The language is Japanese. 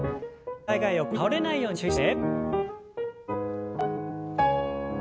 上体が横に倒れないように注意をして。